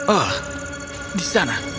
oh di sana